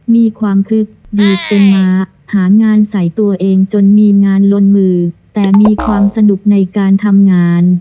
มีความคึกอยู่เป็นม้าหางานใส่ตัวเองจนมีงานลนมือแต่มีความสนุกในการทำงาน